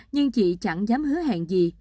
nhưng chị chẳng dám hứa hẹn gì